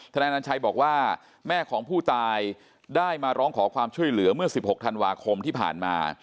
นายอนัญชัยบอกว่าแม่ของผู้ตายได้มาร้องขอความช่วยเหลือเมื่อ๑๖ธันวาคมที่ผ่านมา